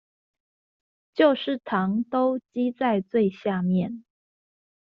就是糖都積在最下面